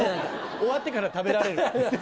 終わってから食べられるっていう。